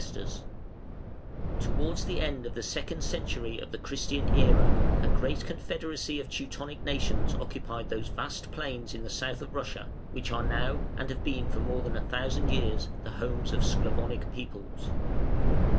Towards the end of the second century of the Christian Era a great confederacy of Teutonic nations occupied those vast plains in the south of Russia which are now, and have been for more than a thousand years, the homes of Sclavonic peoples.